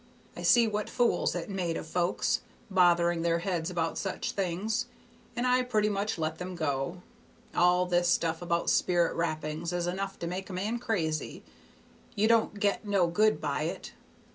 I see what fools it made of folks, bothering their heads about such things, and I pretty much let them go: all this stuff about spirit rappings is enough to make a man crazy. You don't get no good by it.